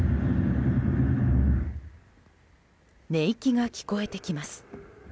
寝息が聞こえてきます。